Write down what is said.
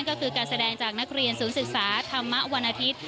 ก็คือการแสดงจากนักเรียนศูนย์ศึกษาธรรมะวันอาทิตย์